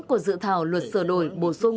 của dự thảo luật sửa đổi bổ sung